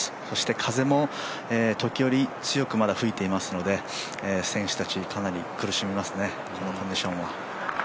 そして、風も時折まだ強く吹いていますので選手たち、かなり苦しみますね、このコンディションは。